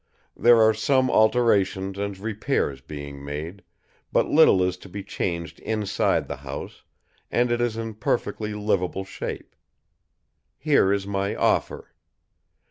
There are some alterations and repairs being made, but little is to be changed inside the house and it is in perfectly livable shape. Here is my offer.